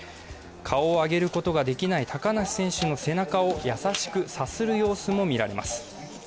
顔を上げることができない高梨選手の背中を優しくさする様子もみられます。